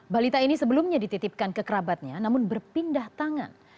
balita ini sebelumnya dititipkan ke kerabatnya namun berpindah tangan